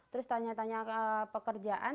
terus tanya tanya pekerjaan